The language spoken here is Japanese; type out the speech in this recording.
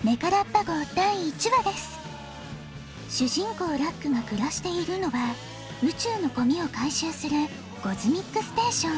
こうラックがくらしているのはうちゅうのゴミをかいしゅうするゴズミックステーション。